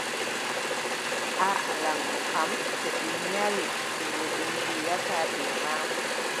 Aaʼa., Lamɗo kam, too ɓe nyari wuro, ɓe ngiidaata bee maako.